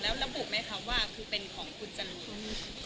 แล้วระบุไหมคะว่าคือเป็นของคุณจรูน